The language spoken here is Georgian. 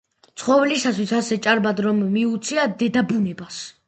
ცხოველისათვის ასე ჭარბად რომ მიუცია დედაბუნებას.